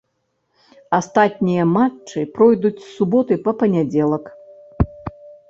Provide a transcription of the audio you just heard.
Астатнія матчы пройдуць з суботы па панядзелак.